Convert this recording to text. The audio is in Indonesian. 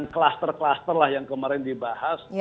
klaster klaster lah yang kemarin dibahas